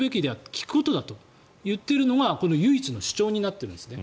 聞くことだと言っているのがこの唯一の主張になっているんですね。